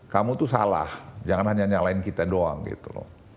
kamu tuh salah jangan hanya nyalain kita doang gitu loh